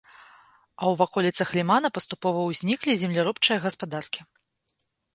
А ў ваколіцах лімана паступова узніклі земляробчыя гаспадаркі.